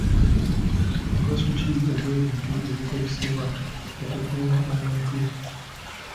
Mugaso ki ogw'ebintu ebikozesebwa okukuuma omuntu?